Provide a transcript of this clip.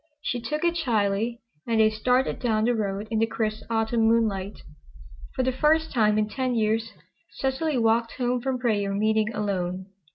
She took it shyly, and they started down the road in the crisp Autumn moonlight. For the first time in ten years Cecily walked home from prayer meeting alone.